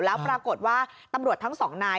แล้วปรากฏว่าตำรวจทั้งสองนาย